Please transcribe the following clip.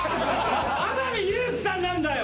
天海祐希さんなんだよ。